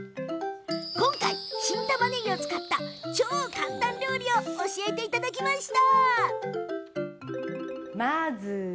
今回、新たまねぎを使った超簡単料理を教えてもらいました。